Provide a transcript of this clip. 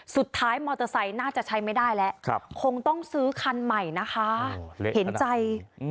สุดท้ายมอเตอร์ไซค์น่าจะใช้ไม่ได้แล้วคงต้องซื้อคันใหม่นะคะเห็นใจ